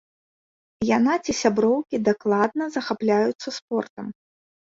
Яна ці сяброўкі дакладна захапляюцца спортам.